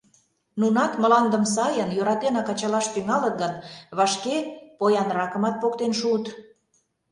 Нунат мландым сайын, йӧратенак ачалаш тӱҥалыт гын, вашке поянракымат поктен шуыт.